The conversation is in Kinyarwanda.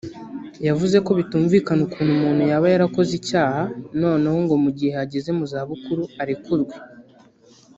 yavuze ko bitumvikana ukuntu umuntu yaba yarakoze icyaha noneho ngo mu gihe ageze mu zabukuru arekurwe